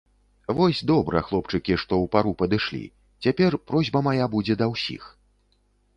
Вось добра, хлопчыкі, што ў пару падышлі, цяпер просьба мая будзе да ўсіх.